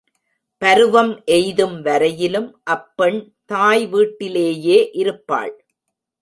பருவம் எய்தும் வரையிலும் அப் பெண் தாய் வீட்டிலேயே இருப்பாள்.